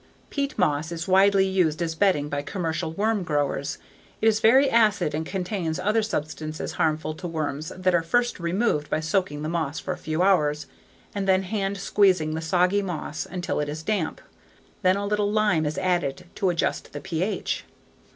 Peat moss is widely used as bedding by commercial worm growers. It is very acid and contains other substances harmful to worms that are first removed by soaking the moss for a few hours and then hand squeezing the soggy moss until it is damp. Then a little lime is added to adjust the pH.